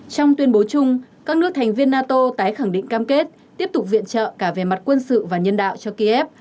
trong tuyên bố chung các nước thành viên nato tái khẳng định cam kết tiếp tục viện trợ cả về mặt quân sự và nhân đạo cho kiev